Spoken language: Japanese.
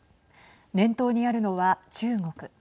念頭にあるのは中国。